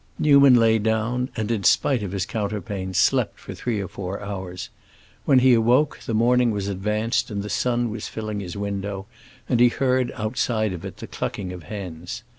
Newman lay down, and, in spite of his counterpane, slept for three or four hours. When he awoke, the morning was advanced and the sun was filling his window, and he heard, outside of it, the clucking of hens.